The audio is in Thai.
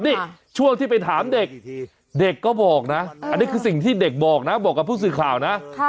นี่ช่วงที่ไปถามเด็กเด็กก็บอกนะอันนี้คือสิ่งที่เด็กบอกนะบอกกับผู้สื่อข่าวนะ